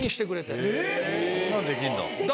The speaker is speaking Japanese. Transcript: そんなのできるんだ。